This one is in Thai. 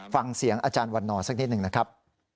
ฟังเสียงอาจารย์วันนอร์สักนิดหนึ่งนะครับ